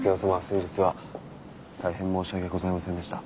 先日は大変申し訳ございませんでした。